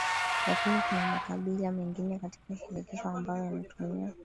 lakini kuna makabila mengine katika shirikisho ambayo yanatumia